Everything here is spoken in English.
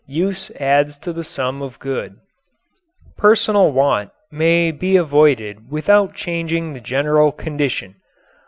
Use adds to the sum of good. Personal want may be avoided without changing the general condition.